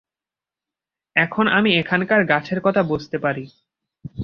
আমি এখন এখানকার গাছের কথা বুঝতে পারি।